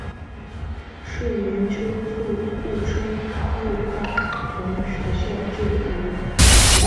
是年秋赴沪升入大同学校就读。